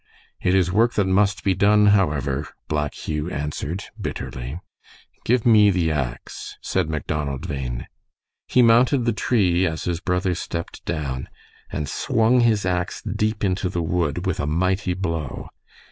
"It is work that must be done, however," Black Hugh answered, bitterly. "Give me the ax," said Macdonald Bhain. He mounted the tree as his brother stepped down, and swung his ax deep into the wood with a mighty blow.